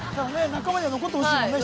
仲間には残ってほしいもんね